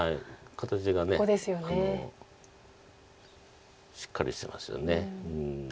形がしっかりしてますよね。